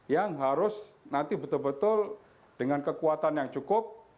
yang harus nanti betul betul dengan kekuatan yang cukup